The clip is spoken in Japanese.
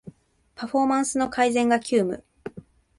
パフォーマンスの改善が急務